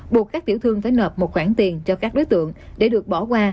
buộc các tiểu thương phải nợp một khoản tiền cho các đối tượng để được bỏ qua